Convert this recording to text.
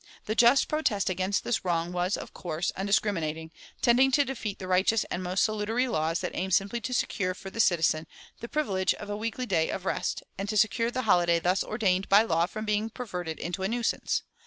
The just protest against this wrong was, of course, undiscriminating, tending to defeat the righteous and most salutary laws that aimed simply to secure for the citizen the privilege of a weekly day of rest and to secure the holiday thus ordained by law from being perverted into a nuisance.